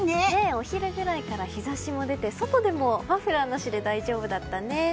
お昼ぐらいから日差しも出て外でもマフラーなしで大丈夫だったね。